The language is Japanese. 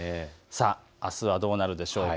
あすはどうなるでしょうか。